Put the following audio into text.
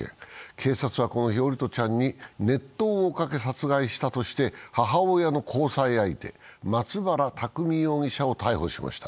警察はこの日、桜利斗ちゃんに熱湯をかけ殺害したとして母親の交際相手、松原拓海容疑者を逮捕しました。